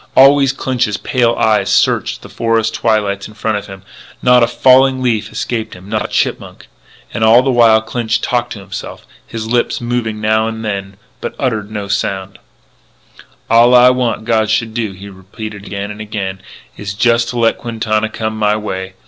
Always Clinch's little pale eyes searched the forest twilight in front of him; not a falling leaf escaped him; not a chipmunk. And all the while Clinch talked to himself; his lips moved a little now and then, but uttered no sound: "All I want God should do," he repeated again and again, "is to just let Quintana come my way.